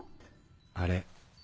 あれ。